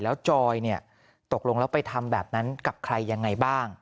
แล้วจอยตกลงแล้วไปทำแบบนั้นกับใครยังไงบ้าง